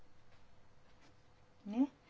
ねっ？